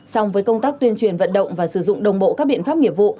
song với công tác tuyên truyền vận động và sử dụng đồng bộ các biện pháp nghiệp vụ